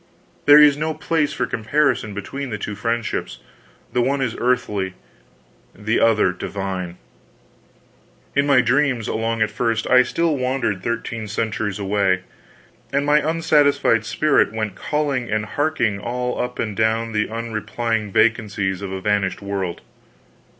There is no place for comparison between the two friendships; the one is earthly, the other divine. In my dreams, along at first, I still wandered thirteen centuries away, and my unsatisfied spirit went calling and harking all up and down the unreplying vacancies of a vanished world.